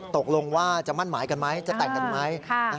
ตกลงว่าจะมั่นหมายกันไหมจะแต่งกันไหม